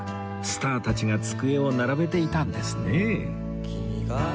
スターたちが机を並べていたんですね